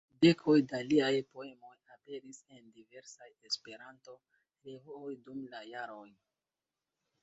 Dekoj da liaj poemoj aperis en diversaj Esperanto-revuoj dum la jaroj.